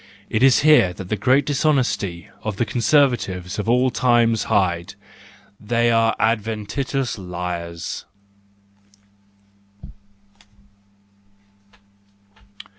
It is here that the great dishonesty of the conservatives of all times hides : —they are adventitious liars.